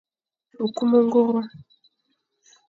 Okum ongoro.